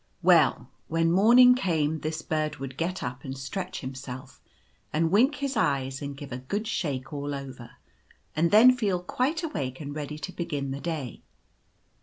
Well, when morning came this bird would get up and stretch himself, and wink his eyes, and give a good shake all over, and then feel quite awake and ready to begin the day.